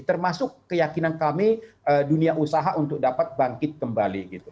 termasuk keyakinan kami dunia usaha untuk dapat bangkit kembali gitu